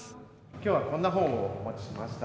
きょうはこんな本をお持ちしました。